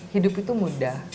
hidup itu mudah